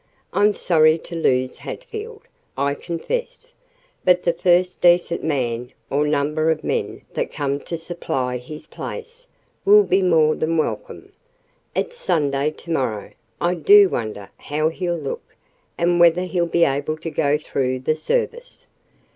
I'm sorry to lose Hatfield, I confess; but the first decent man, or number of men, that come to supply his place, will be more than welcome. It's Sunday to morrow—I do wonder how he'll look, and whether he'll be able to go through the service.